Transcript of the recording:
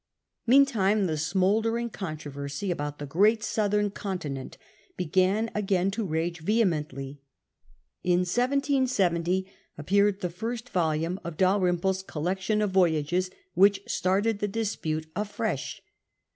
Meantime the smouldering controversy about the great southern continent began again to rage vehemently. In 1770 appeared the first volume of Dalrymple's Col lection of Voyages, which started the dispute afresh.